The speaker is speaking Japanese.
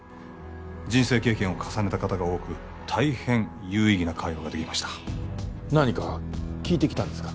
人生経験を重ねた方が多く大変有意義な会話ができました何か聞いてきたんですか？